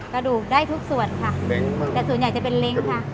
กระดูกได้ทุกส่วนค่ะเล้งแต่ส่วนใหญ่จะเป็นเล้งค่ะ